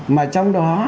mà trong đó